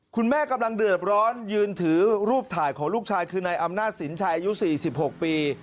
กำลังเดือดร้อนยืนถือรูปถ่ายของลูกชายคือนายอำนาจสินชัยอายุ๔๖ปี